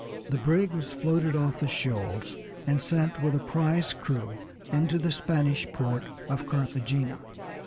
The brig was floated off the shoals and sent with a prize crew into the Spanish port of Carthagena.